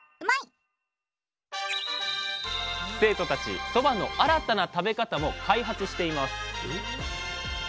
生徒たちそばの新たな食べ方も開発しています